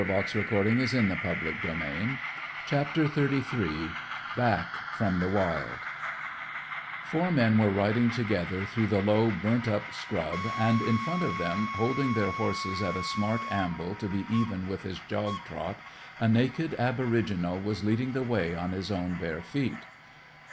CHAPTER XXXIII BACK FROM THE WILD Four men were riding together through the low, burnt up scrub, and in front of them, holding their horses at a smart amble to be even with his jog trot, a naked aboriginal was leading the way on his own bare feet.